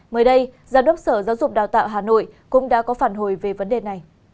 mới đây giám đốc sở giáo dục đào tạo hà nội cũng đã có phản hồi về vấn đề này